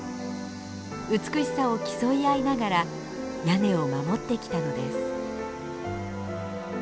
美しさを競い合いながら屋根を守ってきたのです。